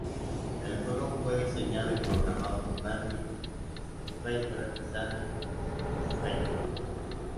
El juego fue diseñado y programado por Randy Pfeiffer y Sandy Pfeiffer.